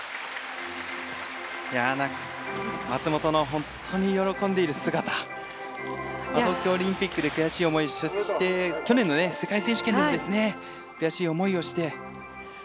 松元の本当に喜んでいる姿東京オリンピックで悔しい思いをして去年の世界選手権のときに悔しい思いをして。